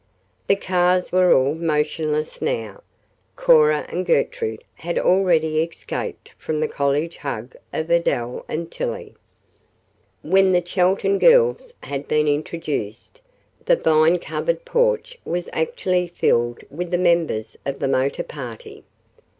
The cars were all motionless now. Cora and Gertrude had already "escaped" from the college hug of Adele and Tillie. When the Chelton girls had been introduced, the vine covered porch was actually filled with the members of the motor party.